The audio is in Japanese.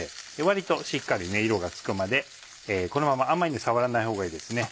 割としっかり色がつくまでこのままあんまり触らないほうがいいですね。